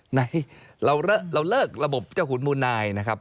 ไหนเราเลิกระบบเจ้าขุนมูนายนะครับ